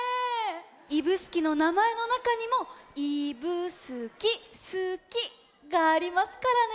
指宿のなまえのなかにもいぶ「すき」「すき」がありますからね。